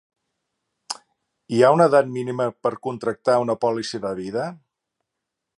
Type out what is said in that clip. Hi ha una edat mínima per contractar una pòlissa de vida?